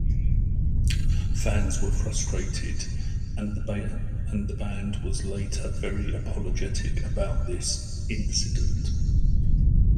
Fans were frustrated, and the band was later very apologetic about this "incident".